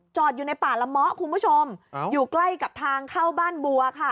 อยู่ในป่าละเมาะคุณผู้ชมอยู่ใกล้กับทางเข้าบ้านบัวค่ะ